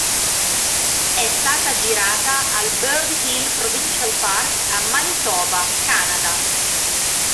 È stata girata al Bird Hill Provincial Park a Manitoba, Canada.